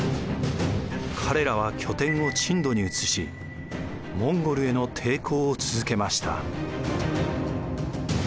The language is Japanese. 彼らは拠点を珍島に移しモンゴルへの抵抗を続けました。